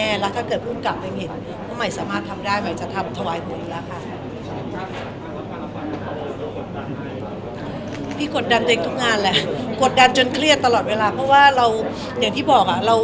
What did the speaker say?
ส่วนถ้าเกิดที่มีละครบทดดีแน่นอน